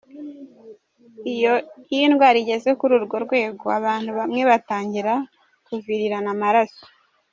Iyo indwara igeze kuri urwo rwego, abantu bamwe batangira kuvirirana amaraso.